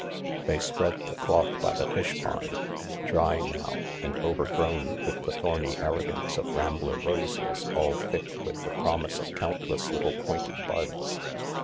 They spread the cloth by the fishpond — dry now and overgrown with the thorny arrogance of rambler roses all thick with the promise of countless little pointed buds.